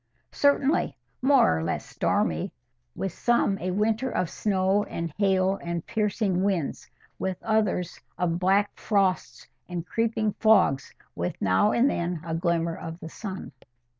"Certainly—more or less stormy. With some a winter of snow and hail and piercing winds; with others of black frosts and creeping fogs, with now and then a glimmer of the sun."